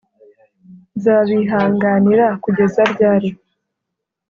Nzabihanganira kugeza ryari?